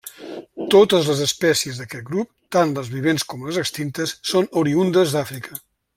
Totes les espècies d'aquest grup, tant les vivents com les extintes, són oriündes d'Àfrica.